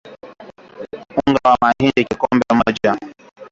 Unga wa mahindi kikombe moja